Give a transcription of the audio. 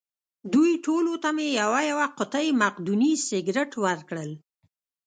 دوی ټولو ته مې یوه یوه قوطۍ مقدوني سګرېټ ورکړل.